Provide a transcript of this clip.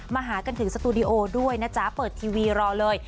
มาหากันถึงสตูดิโอด้วยนะจ๊ะเปิดทีวีรอเลย